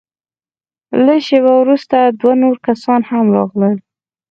لږه شېبه وروسته دوه نور کسان هم راغلل.